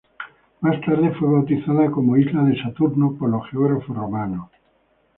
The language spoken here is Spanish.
Más tarde fue bautizada como "isla de Saturno" por los geógrafos romanos.